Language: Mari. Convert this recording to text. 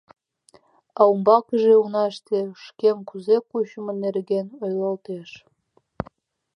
А умбакыже унаште шкем кузе кучымо нерген ойлалтеш.